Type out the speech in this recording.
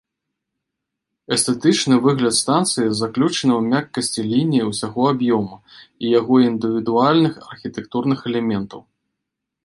Эстэтычны выгляд станцыі заключаны ў мяккасці ліній усяго аб'ёму і яго індывідуальных архітэктурных элементаў.